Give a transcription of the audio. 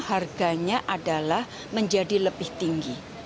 harganya adalah menjadi lebih tinggi